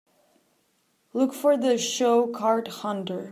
Look for the show Card Hunter